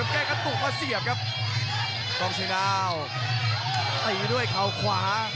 แกกระตุกมาเสียบครับกล้องเชียงดาวตีด้วยเขาขวา